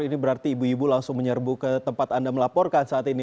ini berarti ibu ibu langsung menyerbu ke tempat anda melaporkan saat ini